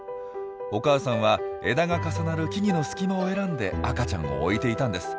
お母さんは枝が重なる木々の隙間を選んで赤ちゃんを置いていたんです。